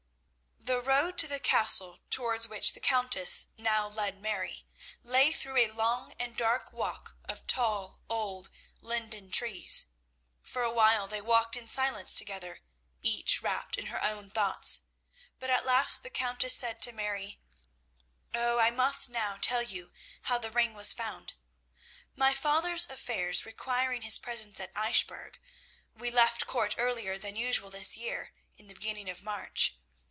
The road to the castle towards which the Countess now led Mary, lay through a long and dark walk of tall old linden trees. For a while they walked in silence together, each wrapped in her own thoughts, but at last the Countess said to Mary "Oh, I must now tell you how the ring was found. My father's affairs requiring his presence at Eichbourg, we left Court earlier than usual this year in the beginning of March.